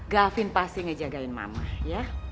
gavin pasti ngejagain mama ya